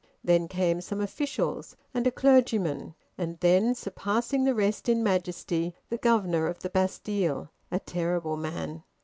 Then came some officials, and a clergyman, and then, surpassing the rest in majesty, the governor of the Bastille, a terrible man.